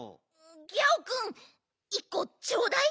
ギャオくん１こちょうだい。